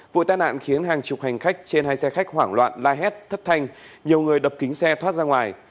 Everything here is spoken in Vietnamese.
vụ tai nạn khiến hàng chục hành khách trên hai xe khách hoảng loạn la hét thất thanh nhiều người đập kính xe thoát ra ngoài